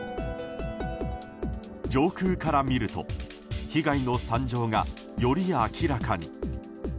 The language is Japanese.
上空から見ると被害の惨状がより明らかに。